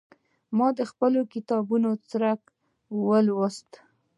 ما د خپل کتاب څرک ويوست.